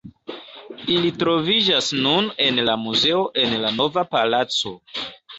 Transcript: Ili troviĝas nun en la muzeo en la Nova Palaco.